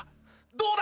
どうだ！？